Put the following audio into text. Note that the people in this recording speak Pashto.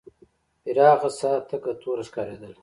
پراخه ساحه تکه توره ښکارېدله.